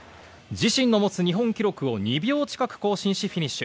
自身の持つ日本記録を２秒近く更新し、フィニッシュ。